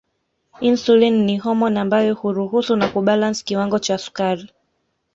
Insulini ni homoni ambayo huruhusu na kubalansi kiwango cha sukari